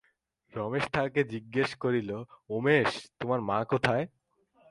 রমেশ তাহাকে জিজ্ঞাসা করিল, উমেশ, তোর মা কোথায়?